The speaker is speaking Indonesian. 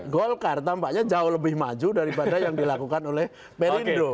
golkar tampaknya jauh lebih maju daripada yang dilakukan oleh perindo